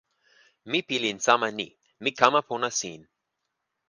mi pilin sama ni: mi kama pona sin.